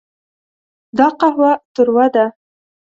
دا قهوه تروه ده.